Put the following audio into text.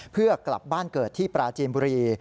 เพื่อกลับบ้านเกิดที่ปราจีนบุรี